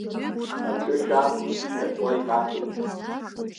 Аҽы шәан шьҭахьла икаԥет.